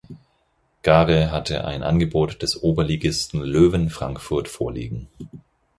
Gare hatte ein Angebot des Oberligisten Löwen Frankfurt vorliegen.